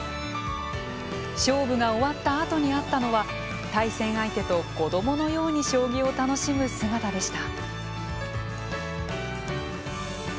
勝負が終わった後にあったのは対戦相手と子どものように将棋を楽しむ姿でした。